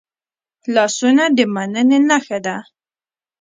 لاسونه د میننې نښه ده